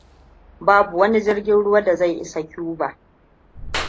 Babu wani jirgin ruwa da zai isa Cuba.